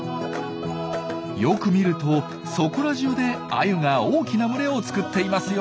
よく見るとそこらじゅうでアユが大きな群れを作っていますよ！